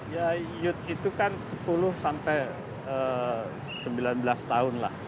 ya youth itu kan sepuluh sampai sembilan belas tahun lah